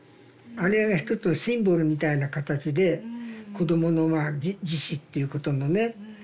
あれが一つのシンボルみたいな形で子供の自死っていうことのね。